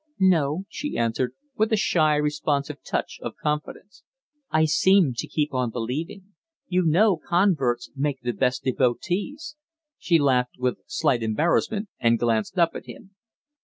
"No," she answered, with a shy, responsive touch of confidence. "I seemed to keep on believing. You know converts make the best devotees." She laughed with slight embarrassment, and glanced up at him.